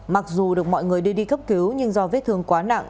mặc dù được mọi người đưa đi cấp cứu nhưng do vết thương quá nặng